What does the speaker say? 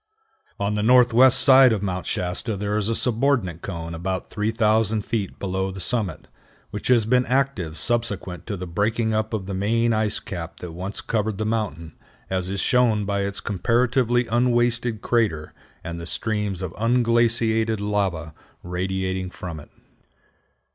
On the northwest side of Mount Shasta there is a subordinate cone about 3000 feet below the summit, which, has been active subsequent to the breaking up of the main ice cap that once covered the mountain, as is shown by its comparatively unwasted crater and the streams of unglaciated lava radiating from it.